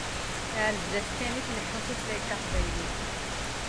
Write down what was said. Ar zdat kan i tleḥḥu tutlayt taqbaylit.